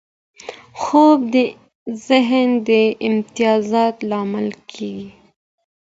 خوب د ذهن د ارامتیا لامل کېږي.